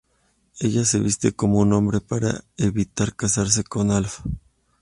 Ella se viste como un hombre para evitar casarse con Alf.